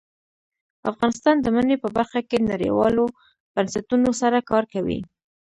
افغانستان د منی په برخه کې نړیوالو بنسټونو سره کار کوي.